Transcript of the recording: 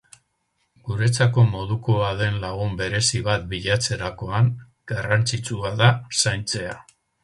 Guretzako modukoa den lagun berezi bat bilatzerakoan, garrantzitsua da zaintzea.